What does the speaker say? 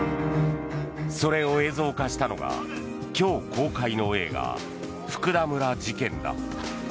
それを映像化したのが今日、公開の映画「福田村事件」だ。